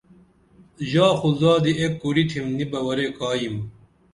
ژا خو زادی ایک کُری تِھم نی بہ ورے کا یم